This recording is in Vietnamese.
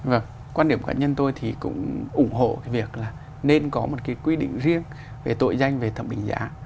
vâng quan điểm cá nhân tôi thì cũng ủng hộ cái việc là nên có một cái quy định riêng về tội danh về thẩm định giá